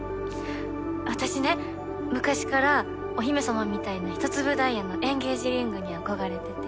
私ね昔からお姫様みたいなひと粒ダイヤのエンゲージリングに憧れてて。